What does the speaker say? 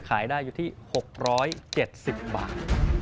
ขายได้อยู่ที่๖๗๐บาท